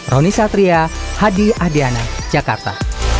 roni satria hadi ahdiana jakarta